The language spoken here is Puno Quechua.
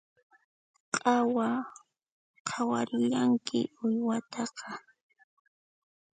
Qhawa qhawarillanki uywataqa